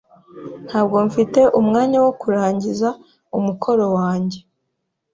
Ntabwo mfite umwanya wo kurangiza umukoro wanjye.